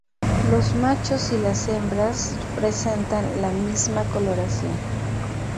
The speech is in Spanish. Los machos y las hembras presentan la misma coloración.